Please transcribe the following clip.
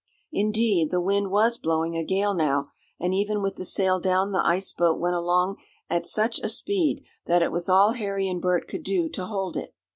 Indeed, the wind was blowing a gale now, and even with the sail down the ice boat went along at such a speed that it was all Harry and Bert could do to hold it.